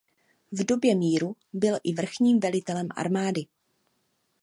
V době míru byl i vrchním velitelem armády.